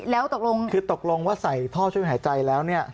แล้วตกลงคือตกลงว่าใส่ท่อช่วยหายใจแล้วเนี่ย